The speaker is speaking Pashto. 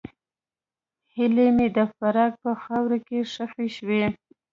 هیلې مې د فراق په خاوره کې ښخې شوې.